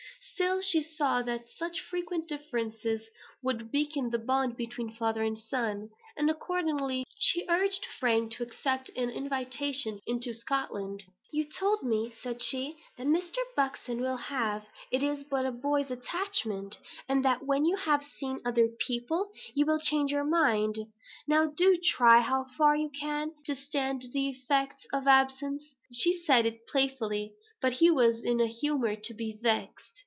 Still she saw that such frequent differences would weaken the bond between father and son; and, accordingly, she urged Frank to accept an invitation into Scotland. "You told me," said she, "that Mr. Buxton will have it, it is but a boy's attachment; and that when you have seen other people, you will change your mind; now do try how far you can stand the effects of absence." She said it playfully, but he was in a humor to be vexed.